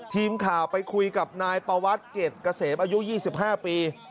ทีมข่าวไปคุยกับนายประวัติเกรดเกษมอายุ๒๕ปี